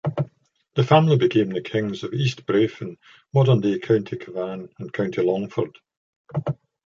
The family became the kings of East Breifne, modern-day County Cavan and County Longford.